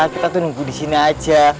kita tuh nunggu di sini aja